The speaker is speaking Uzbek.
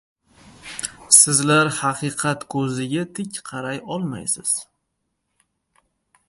— Sizlar haqiqat ko‘ziga tik qaray olmaysiz!